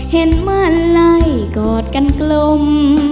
เห็นบ้านไล่กอดกันกลม